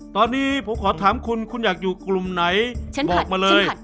ตอนนี้ผมขอถามคุณคุณอยากอยู่กลุ่มไหนบอกมาเลย